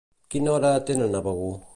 Quina hora tenen a Begur?